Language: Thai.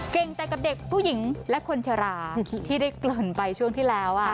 แต่กับเด็กผู้หญิงและคนชราที่ได้เกริ่นไปช่วงที่แล้ว